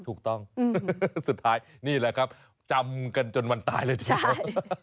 ถูกต้องสุดท้ายนี่แหละครับจำกันจนวันตายเลยทีเดียว